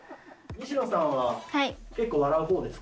西野さんは結構笑うほうです